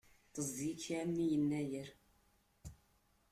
Ṭṭeẓ deg-k a ɛemmi Yennayer!